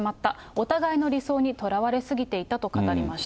お互いの理想にとらわれ過ぎていたと語りました。